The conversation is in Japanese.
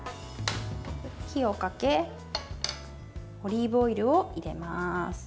火をかけオリーブオイルを入れます。